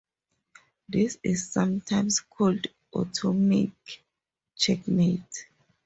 This is sometimes called "atomic checkmate".